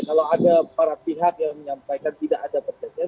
kalau ada para pihak yang menyampaikan tidak ada perjanjian